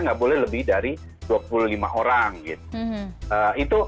nggak boleh lebih dari dua puluh lima orang gitu